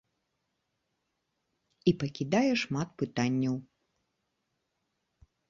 І пакідае шмат пытанняў.